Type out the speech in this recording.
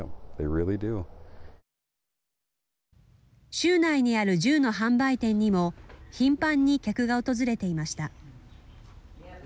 州内にある銃の販売店にも頻繁に客が訪れていました。